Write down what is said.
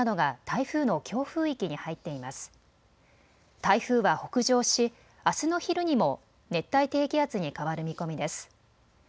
台風は北上し、あすの昼にも熱帯低気圧に変わる見込みです。